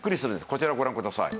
こちらをご覧ください。